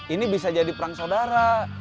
ini bisa jadi perang saudara